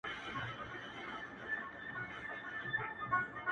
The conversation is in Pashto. • دې ښاريې ته رڼاگاني د سپين زړه راتوی كړه؛